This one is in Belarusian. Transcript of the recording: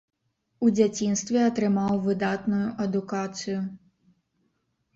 У дзяцінстве атрымаў выдатную адукацыю.